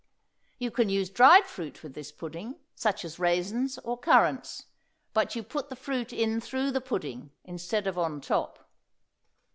You can use dried fruit with this pudding, such as raisins or currants, but you put the fruit in through the pudding instead of on top.